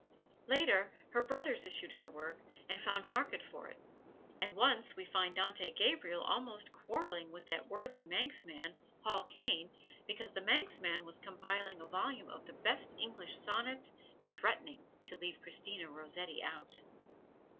Later, her brothers issued her work and found market for it; and once we find Dante Gabriel almost quarreling with that worthy Manxman, Hall Caine, because the Manxman was compiling a volume of the best English sonnets and threatening to leave Christina Rossetti out.